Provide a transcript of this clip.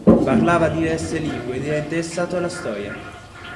Parlava diverse lingue ed era interessato alla storia.